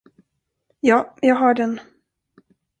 Ja, jag har den.